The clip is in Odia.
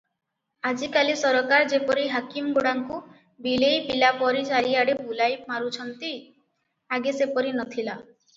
ଆଜିକାଲି ସରକାର ଯେପରି ହାକିମଗୁଡ଼ାଙ୍କୁ ବିଲେଇ ପିଲାପରି ଚାରିଆଡେ ବୁଲାଇ ମାରୁଛନ୍ତି, ଆଗେ ସେପରି ନ ଥିଲା ।